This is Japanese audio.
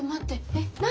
えっ何？